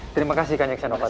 terima kasih kanjeng senopati